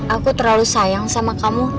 aku terlalu sayang sama kamu